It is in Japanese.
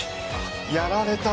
やられた。